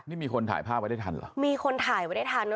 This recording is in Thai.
นี่มีคนถ่ายภาพไม่ได้ทันหรอ